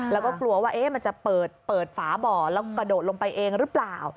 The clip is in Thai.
แล้วก็กลัวว่ามันจะเปิดฝาบ่อแล้วกระโดดลงไปเองหรือเปล่า